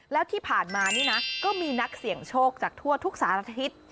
แล้วที่ผ่านมานี่นะก็มีนักเสี่ยงโชคจากทั่วทุกสารทิศ